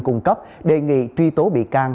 cung cấp đề nghị truy tố bị can